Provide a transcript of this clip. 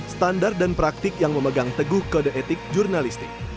standar dan praktik yang memegang teguh kode etik jurnalistik